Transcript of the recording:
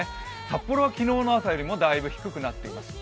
札幌は昨日の朝よりもだいぶ低くなっています。